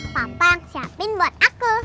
papa yang siapin buat aku